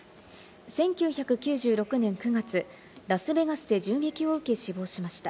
１９９６年９月、ラスベガスで銃撃を受け死亡しました。